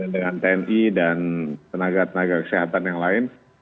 dengan tni dan tenaga tenaga kesehatan yang lain